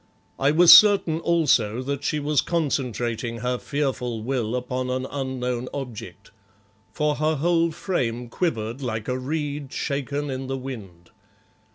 I was certain, also, that she was concentrating her fearful will upon an unknown object, for her whole frame quivered like a reed shaken in the wind.